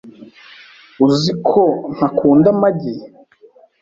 Uzi ko ntakunda amagi.